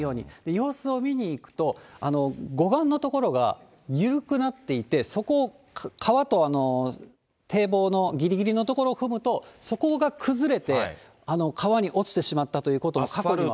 様子を見に行くと、護岸の所が緩くなっていて、そこを川と堤防のぎりぎりの所を踏むと、そこが崩れて、川に落ちてしまったということも過去には。